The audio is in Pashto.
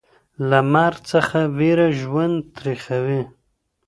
له مرګ څخه ویره ژوند تریخوي.